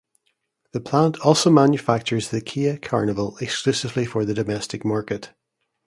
The plant also manufactures the Kia Carnival exclusively for the domestic market.